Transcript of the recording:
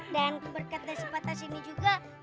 dan berkat dari sipatas ini juga